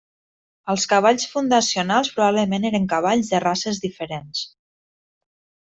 Els cavalls fundacionals probablement eren cavalls de races diferents.